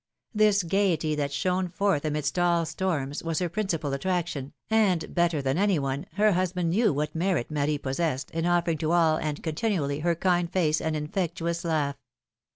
This gayety, that shone forth amidst all storms^ 62 philom^e's maeriages. was her principal attraction, and, better than any one, her husband knew what merit Marie possessed, in offering to all, and continually, her kind face and infectious laugh.